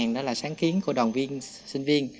đó là sáng kiến của đoàn viên sinh viên